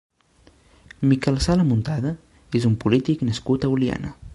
Miquel Sala Muntada és un polític nascut a Oliana.